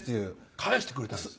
返してくれたんです。